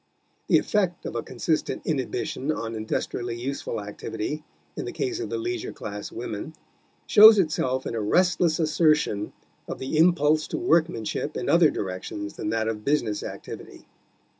The effect of a consistent inhibition on industrially useful activity in the case of the leisure class women shows itself in a restless assertion of the impulse to workmanship in other directions than that of business activity.